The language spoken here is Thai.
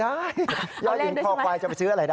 ไม่ได้ยอยหญิงคอควายจะไปซื้ออะไรได้